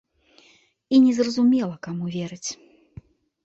І незразумела каму верыць.